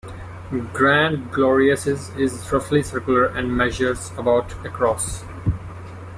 Grande Glorieuses is roughly circular and measures about across.